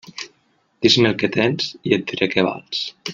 Dis-me el que tens i et diré què vals.